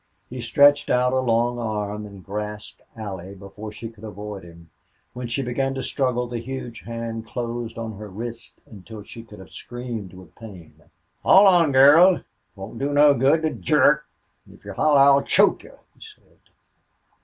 He stretched out a long arm and grasped Allie before she could avoid him. When she began to struggle the huge hand closed on her wrist until she could have screamed with pain. "Hold on, girl! It won't do you no good to jerk, an' if you holler I'll choke you," he said.